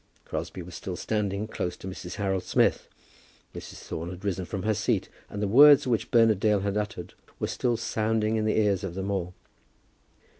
Crosbie was still standing close to Mrs. Harold Smith, Mrs. Thorne had risen from her seat, and the words which Bernard Dale had uttered were still sounding in the ears of them all.